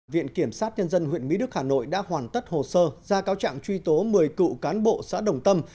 viện kiểm sát nhân dân huyện mỹ đức hà nội đã hoàn tất hồ sơ ra cáo trạng truy tố một mươi cựu cán bộ xã đồng tâm